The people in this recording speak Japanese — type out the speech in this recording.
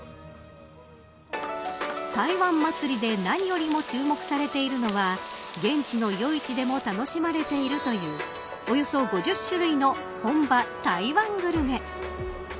台湾祭で何よりも注目されているのは現地の夜市でも楽しまれているというおよそ５０種類の本場台湾グルメ。